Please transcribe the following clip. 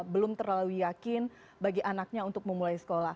belum terlalu yakin bagi anaknya untuk memulai sekolah